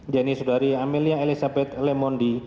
yaitu amelia elizabeth lemondi